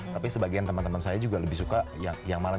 tapi sebagian teman teman saya juga lebih suka yang malam